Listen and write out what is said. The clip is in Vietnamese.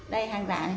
đây hàng giả này